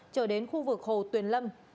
chở đến khu vực hồ tuyền lâm